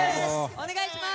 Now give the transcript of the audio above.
お願いします。